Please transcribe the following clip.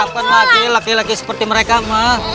enggak usah diharapkan lagi laki laki seperti mereka mak